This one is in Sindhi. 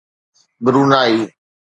برونائي